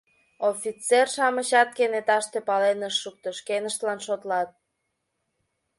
Офицер-шамычат кенеташте пален ышт шукто: шкеныштлан шотлат.